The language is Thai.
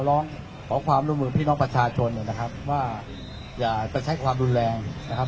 ร้องขอความร่วมมือพี่น้องประชาชนนะครับว่าอย่าใช้ความรุนแรงนะครับ